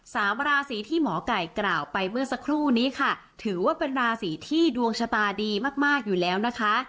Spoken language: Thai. สามราศีที่หมอไก่กล่าวไปเมื่อสักครู่นี้ค่ะถือว่าเป็นราศีที่ดวงชะตาดีมากมากอยู่แล้วนะคะ